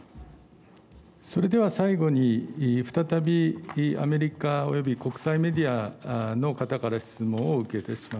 それでは最後に再びアメリカ及び国際メディアの方から質問をお受けいたします。